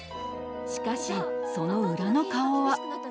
しかしその裏の顔は。